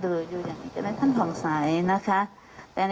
ดูอยู่อย่างนี้ก็จะโยนวิสาหัสนะครับ